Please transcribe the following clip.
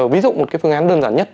ví dụ một cái phương án đơn giản nhất